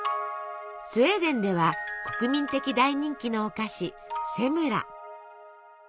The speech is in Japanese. スウェーデンでは国民的大人気のお菓子セムラ。